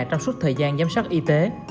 trong suốt thời gian giám sát y tế